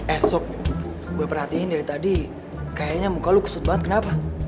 esok gue perhatiin dari tadi kayaknya muka lu kesut banget kenapa